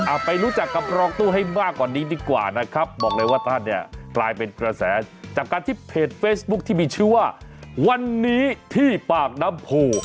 ไปรู้จักกับรองตู้ให้มากกว่านี้ดีกว่านะครับบอกเลยว่าท่านเนี่ยกลายเป็นกระแสจากการที่เพจเฟซบุ๊คที่มีชื่อว่าวันนี้ที่ปากน้ำโพ